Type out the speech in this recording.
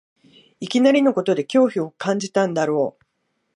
いきなりのことで恐怖を感じたんだろう